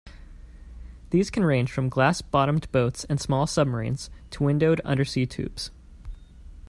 These can range from glass-bottomed boats and small submarines, to windowed undersea tubes.